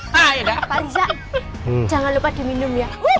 pak rija jangan lupa diminum ya